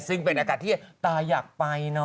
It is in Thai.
ซึ่งเป็นอากาศที่ตาอยากไป